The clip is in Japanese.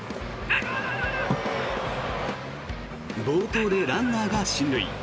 暴投でランナーが進塁。